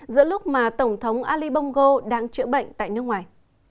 giữa lúc mà tổng thống ali bongo đang chữa bệnh tại nước ngoài